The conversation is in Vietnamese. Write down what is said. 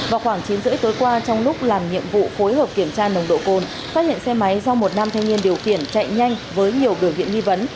vào khoảng chín h ba mươi tối qua trong lúc làm nhiệm vụ phối hợp kiểm tra nồng độ cồn phát hiện xe máy do một nam thanh niên điều khiển chạy nhanh với nhiều biểu hiện nghi vấn